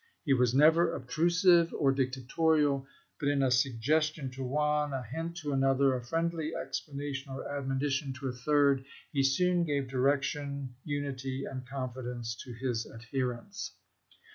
He was never obtrusive or dictatorial; but in a sug gestion to one, a hint to another, a friendly explana tion or admonition to a third, he soon gave direction, unity, and confidence to his adherents.